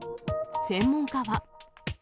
専門家は。